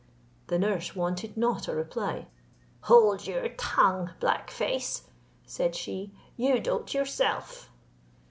The nurse wanted not a reply; "Hold your tongue, black face," said she; "you doat yourself."